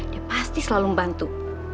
dia pasti selalu membantu